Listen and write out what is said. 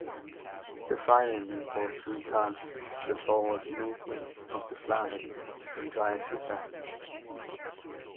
The firing impulse retards the forward movement of the slide and drives it back.